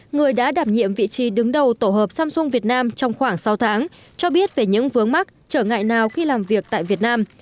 người đã đảm nhiệm vị trí đứng đầu tổ hợp samsung việt nam trong khoảng sáu tháng cho biết về những vướng mắt trở ngại nào khi làm việc tại việt nam